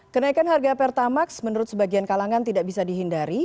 kenaikan harga pertamax menurut sebagian kalangan tidak bisa dihindari